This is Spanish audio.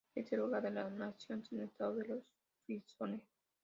Es el hogar de la nación sin estado de los frisones.